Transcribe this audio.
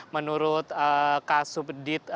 menurut kasub dit